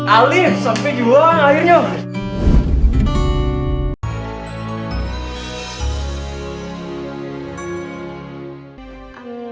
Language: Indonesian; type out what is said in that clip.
alif sampai juang akhirnya